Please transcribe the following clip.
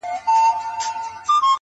خو ذهن نه هېرېږي هېڅکله تل,